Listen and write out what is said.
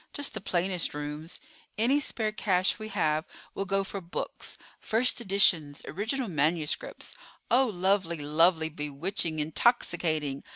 Just the plainest rooms. Any spare cash we have will go for books—first editions, original manuscripts. Oh, lovely, lovely, bewitching, intoxicating!